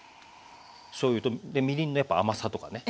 しょうゆとみりんの甘さとかね